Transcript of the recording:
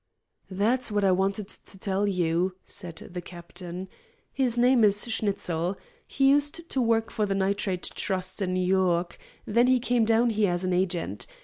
"That's what I wanted to tell you," said the captain. "His name is Schnitzel. He used to work for the Nitrate Trust in New York. Then he came down here as an agent.